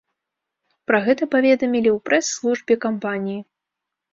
Пра гэта паведамілі ў прэс-службе кампаніі.